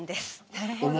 なるほど。